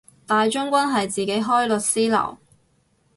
大將軍係自己開律師樓